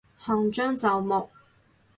行將就木